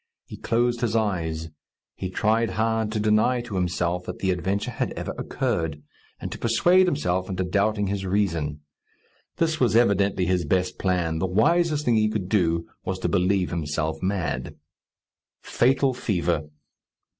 He closed his eyes. He tried hard to deny to himself that the adventure had ever occurred, and to persuade himself into doubting his reason. This was evidently his best plan; the wisest thing he could do was to believe himself mad. Fatal fever!